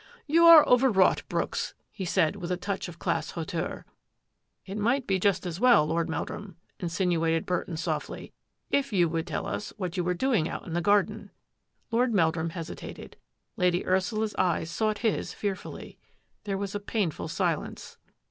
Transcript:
" You are overwrought. Brooks," he said, with a touch of class hauteur. " It might be just as well. Lord Meldrum," insinuated Burton softly, " if you would tell us what you were doing out in the garden." Lord Meldrum hesitated. Lady Ursula's eyes sought his fearfully. There was a painful silence.